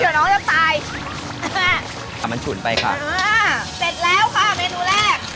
เดี๋ยวน้องจะตายเอามันฉุนไปค่ะอ่าเสร็จแล้วค่ะเมนูแรก